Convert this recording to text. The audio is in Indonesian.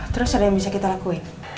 terus ada yang bisa kita lakuin